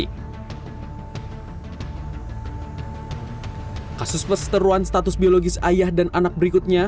kasus perseteruan status biologis ayah dan anak berikutnya